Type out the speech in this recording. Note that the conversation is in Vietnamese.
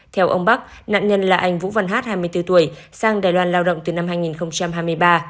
theo ông bắc nạn nhân là anh vũ văn hát hai mươi bốn tuổi sang đài loan lao động từ năm hai nghìn hai mươi ba